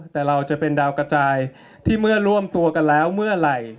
แต่เราจะเป็นดาวกระจายที่เมื่อร่วมตัวกันแล้วเมื่อไหร่